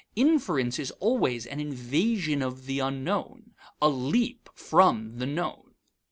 Inference is always an invasion of the unknown, a leap from the known.